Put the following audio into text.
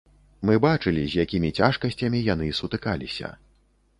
Мы бачылі, з якімі цяжкасцямі яны сутыкаліся.